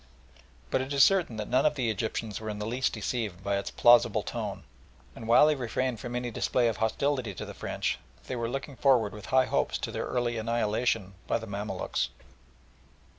But it is certain that none of the Egyptians were in the least deceived by its plausible tone, and while they refrained from any display of hostility to the French, they were looking forward with high hopes to their early annihilation by the Mamaluks.